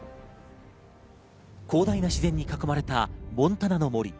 広大な自然に囲まれたモンタナの森。